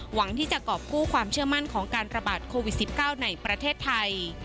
หวังที่จะกรอบกู้ความเชื่อมั่นของการระบาดโควิด๑๙ในประเทศไทย